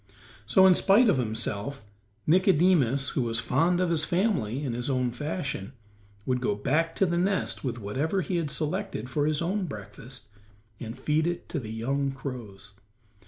So, in spite of himself, Nicodemus, who was fond of his family in his own fashion, would go back to the nest with whatever he had selected for his own breakfast, and feed it to the young crows.